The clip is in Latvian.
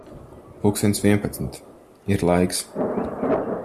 Pulkstens vienpadsmit. Ir laiks.